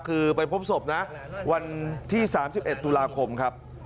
คือไปพบศพนะวันที่๓๑ตุลาคมครับ